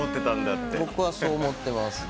僕はそう思ってます。